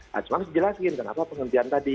nah cuma harus dijelasin kenapa penghentian tadi